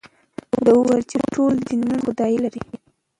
ده وویل چې ټول دینونه خدای لري.